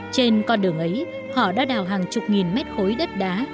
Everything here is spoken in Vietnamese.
trên con đường ấy họ đã đào hàng chục nghìn mét khối đất đá